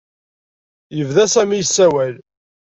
Yebda Sami yessawal.